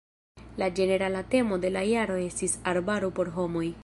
La ĝenerala temo de la jaro estis "Arbaro por homoj".